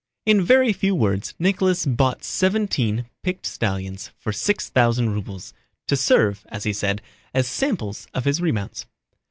In very few words Nicholas bought seventeen picked stallions for six thousand rubles—to serve, as he said, as samples of his remounts.